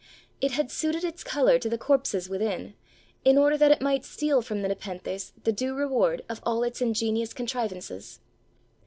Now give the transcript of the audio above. It had suited its colour to the corpses within, in order that it might steal from the Nepenthes the due reward of all its ingenious contrivances!